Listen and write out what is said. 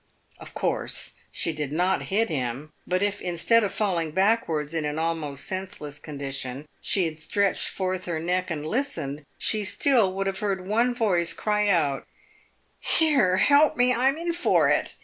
Of course she did not hit him, but if, instead of falling backwards in an almost senseless condition, she had stretched forth her neck and listened, she still would have heard one voice cry out, " Here ! help me ! I'm in for it